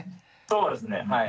そうですねはい。